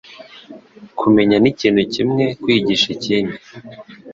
Kumenya nikintu kimwe, kwigisha ikindi.